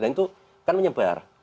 dan itu kan menyebar